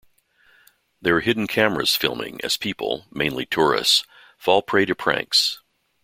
There are hidden cameras filming as people, mainly tourists, fall prey to pranks.